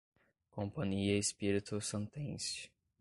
Companhia Espíritossantense